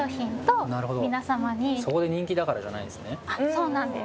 そうなんです。